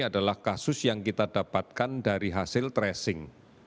adalah kasus yang kita dapatkan dari hasil tracing